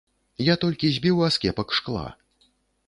Я толькі збіў аскепак шкла.